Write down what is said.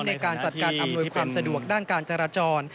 ในการจัดการอำนวยความสะดวกด้านการจราจร